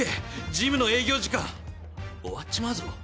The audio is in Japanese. ジムの営業時間終わっちまうぞ！